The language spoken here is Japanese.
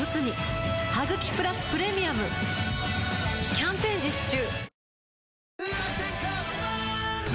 キャンペーン実施中